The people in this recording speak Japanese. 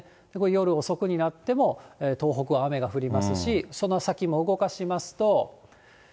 夜遅くになっても、東北は雨が降りますし、その先も動かしますと。